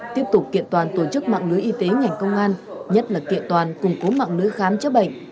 tiếp tục kiện toàn tổ chức mạng lưới y tế ngành công an nhất là kiện toàn củng cố mạng lưới khám chữa bệnh